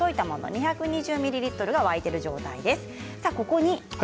２２０ミリリットルが沸いた状態です。